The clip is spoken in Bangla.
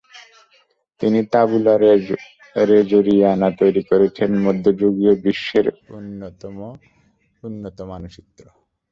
তিনি তাবুলা রোজেরিয়ানা তৈরি করেছেন, মধ্যযুগীয় বিশ্বের অন্যতম উন্নত মানচিত্র।